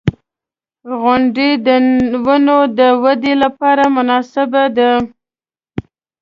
• غونډۍ د ونو د ودې لپاره مناسبې دي.